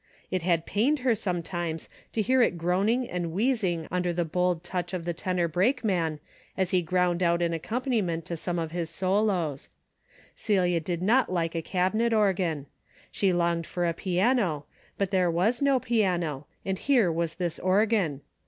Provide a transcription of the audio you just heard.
It had paiped her some times to hear A DAILY bate:' 259 it groaning and wheezing under the bold touch of the tenor brakeman as he ground out an accompaniment to some of his solos. Celia did not like a cabinet organ. She longed for a piano, but there was no piano, and here was this organ.